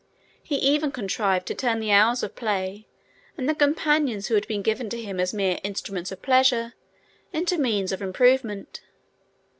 He even contrived to turn the hours of play, and the companions who had been given to him as mere instruments of pleasure, into means of improvement.